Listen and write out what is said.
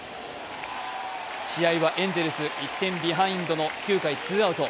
試合はエンゼルス、１点ビハインドの９回ツーアウト。